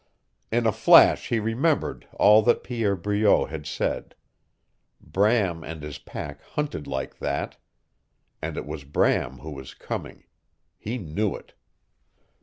In a flash he remembered all that Pierre Breault had said. Bram and his pack hunted like that. And it was Bram who was coming. He knew it.